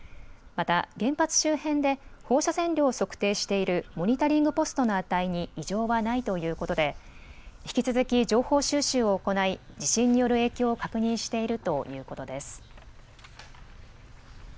また原発周辺で放射線量を測定しているモニタリングポストの値に異常はないということで引き続き情報収集を行い地震による影響を確認しているということです。